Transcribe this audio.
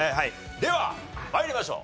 では参りましょう。